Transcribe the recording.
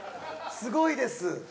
すごいです。